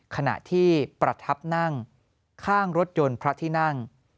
ขณะที่ประทับนั่งข้างรถยนต์พระที่นั่ง